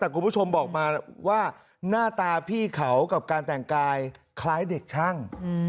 แต่คุณผู้ชมบอกมาว่าหน้าตาพี่เขากับการแต่งกายคล้ายเด็กช่าง